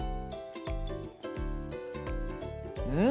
うん！